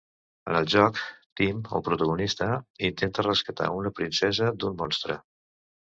En el joc, Tim, el protagonista, intenta rescatar una princesa d'un monstre.